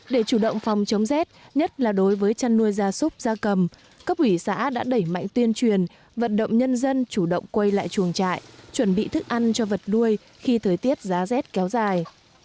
để chủ động phòng chống rét nhất là đối với chăn nuôi gia súc gia cầm cấp ủy xã đã đẩy mạnh tuyên truyền vận động nhân dân chủ động quay lại chuồng trại chuẩn bị thức ăn cho vật nuôi khi thời tiết giá rét kéo dài